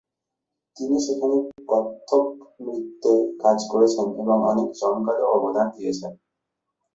তিনি সেখানে কত্থক নৃত্যে কাজ করেছেন এবং অনেক জমকালো অবদান দিয়েছেন।